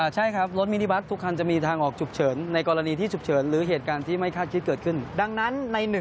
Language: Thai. ใช่ครับรถมินิบัตรทุกครั้งจะมีทางออกฉุกเฉิน